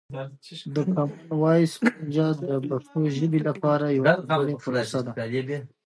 د کامن وایس پروژه د پښتو ژبې لپاره یوه ځانګړې پروسه ده.